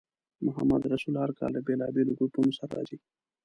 محمدرسول هر کال له بېلابېلو ګروپونو سره راځي.